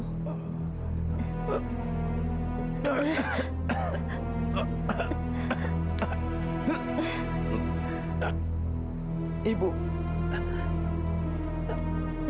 sudah kamu minum dulu